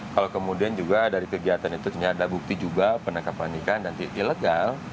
kalau kemudian juga dari kegiatan itu ternyata ada bukti juga penangkapan ikan dan ilegal